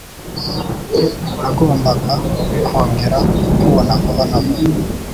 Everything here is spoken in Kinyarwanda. Nagombaga kongera kukubona vuba na vuba.